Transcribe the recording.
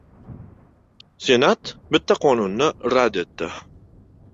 Senat bitta qonunni rad etdi